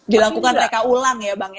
dilakukan mereka ulang ya bang